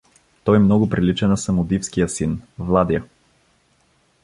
Той много прилича на самодивския син — Владя.